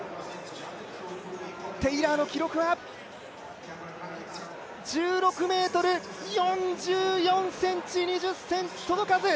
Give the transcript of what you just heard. テイラーの記録は１６ｍ４４ｃｍ、２０ｃｍ届かず。